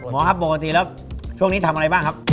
หมอครับปกติแล้วช่วงนี้ทำอะไรบ้างครับ